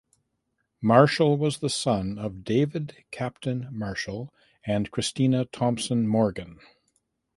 Marshall was the son of David Captain Marshall and Christina Thomson Morgan.